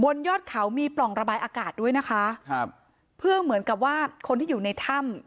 ยอดเขามีปล่องระบายอากาศด้วยนะคะครับเพื่อเหมือนกับว่าคนที่อยู่ในถ้ำ